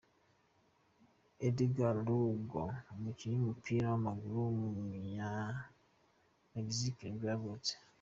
Édgar Lugo, umukinnyi w’umupira w’amaguru w’umunyamegizike nibwo yavutse.